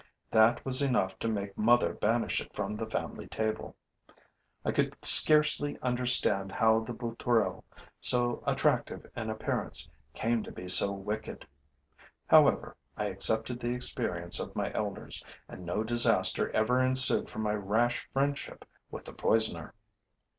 That was enough to make mother banish it from the family table. I could scarcely understand how the bouturel, so attractive in appearance, came to be so wicked; however, I accepted the experience of my elders; and no disaster ever ensued from my rash friendship with the poisoner.